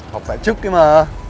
học tài trức ấy mà